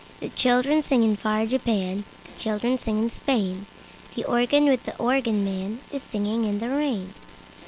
The children sing in far Japan, The children sing in Spain; The organ with the organ manIs singing in the rain.